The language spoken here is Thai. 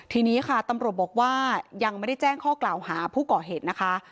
ทีนี้ค่ะตำรวจบอกว่ายังไม่ได้แจ้งข้อกล่าวหาผู้ก่อเหตุนะคะ